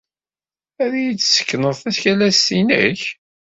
Ad iyi-d-tessekneḍ takalast-inek?